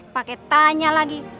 pakai tanya lagi